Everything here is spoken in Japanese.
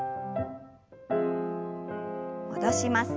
戻します。